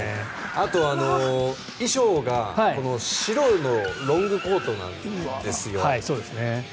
あと衣装が白のロングコートなんですよ。